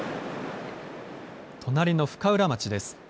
隣の深浦町です。